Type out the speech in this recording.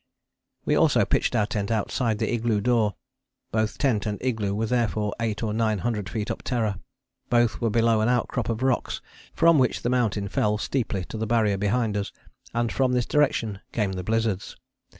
We also pitched our tent outside the igloo door. Both tent and igloo were therefore eight or nine hundred feet up Terror: both were below an outcrop of rocks from which the mountain fell steeply to the Barrier behind us, and from this direction came the blizzards.